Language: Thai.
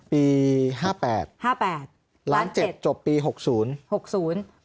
ปี๕๘ล้าน๗บาทจบปี๖๐บาท